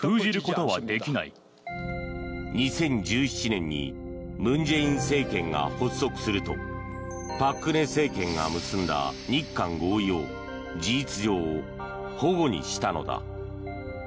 ２０１７年に文在寅政権が発足すると朴槿惠政権が結んだ日韓合意を事実上、反故にしたのだ。